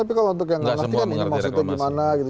tapi kalau untuk yang nggak ngerti kan ini maksudnya gimana gitu